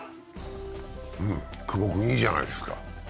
久保君いいじゃないですか。